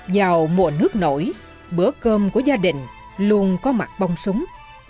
vào mùa nước nổi bữa cơm của gia đình luôn có mặt bông súng